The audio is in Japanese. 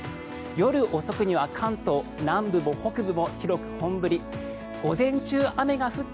夜遅くには関東南部も北部も広く本降り。